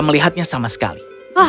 melihatnya sama sekali